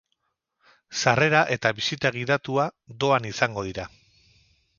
Sarrera eta bisita gidatua doan izango dira.